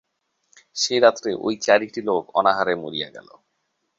সেই রাত্রে ঐ চারিটি লোক অনাহারে মরিয়া গেল।